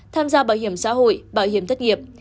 tham gia bảo hiểm xã hội bảo hiểm thất nghiệp